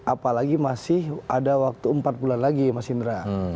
apalagi masih ada waktu empat bulan lagi mas indra